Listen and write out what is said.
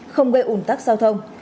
không gây ủn tắc giao thông